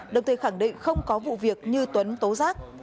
đồng thời khẳng định không có vụ việc như tuấn tố giác